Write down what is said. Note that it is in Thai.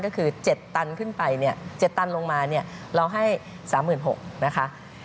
ก็คือ๗ตันขึ้นไป๗ตันลงมาเราให้๓๖๐๐๐บาทนะคะ